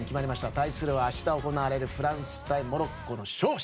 対するは明日行われるフランス対モロッコの勝者。